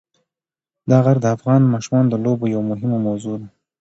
دا غر د افغان ماشومانو د لوبو یوه مهمه موضوع ده.